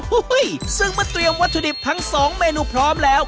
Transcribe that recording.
โอ้โหซึ่งเมื่อเตรียมวัตถุดิบทั้งสองเมนูพร้อมแล้ว